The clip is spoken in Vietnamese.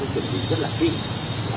chuẩn bị rất là kỹ